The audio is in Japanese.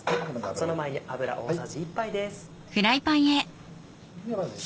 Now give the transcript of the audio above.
その前に油大さじ１杯です。